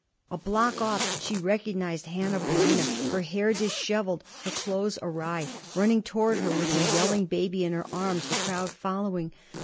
A block off she recognized Hanneh Breineh, her hair disheveled, her clothes awry, running toward her with her yelling baby in her arms, the crowd following.